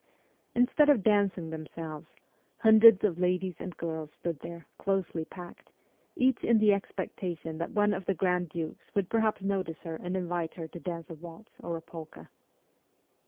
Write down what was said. Instead of dancing them selves, hundreds of ladies and girls stood there, closely packed, each in the expectation that one of the grand dukes would perhaps notice her and invite her to dance a waltz or a polka.